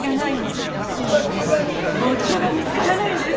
夫が見つからないんです。